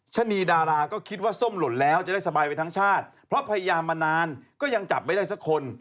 ชะนีดาราก็คิดว่าส้มหล่นแล้วจะได้สบายไปทั้งชาติเพราะพยายามมานานก็ยังจับไม่ได้สักคน